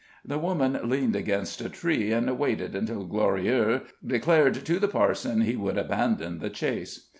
The woman leaned against a tree, and waited until Glorieaux declared to the parson he would abandon the chase.